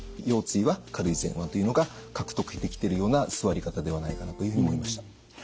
腰椎は軽い前わんというのが獲得できてるような座り方ではないかなというふうに思いました。